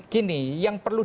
gini yang perlu